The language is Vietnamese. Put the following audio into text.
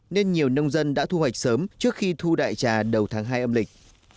nên nhiều nông dân đã thu hoạch sớm trước khi thu đại trà đầu tháng hai âm lịch